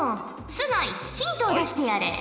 須貝ヒントを出してやれ。